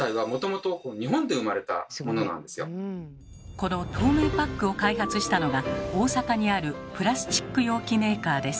この透明パックを開発したのが大阪にあるプラスチック容器メーカーです。